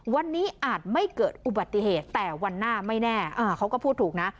วันนี้อาจไม่เกิดอุบัติเหตุแต่วันหน้าไม่แน่เขาก็พูดถูกนะ